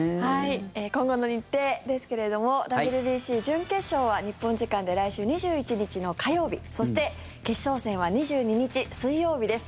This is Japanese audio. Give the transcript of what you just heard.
今後の日程ですけれどもＷＢＣ準決勝は日本時間で来週２１日の火曜日そして決勝戦は２２日、水曜日です。